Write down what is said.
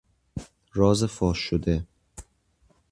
راز فاش شده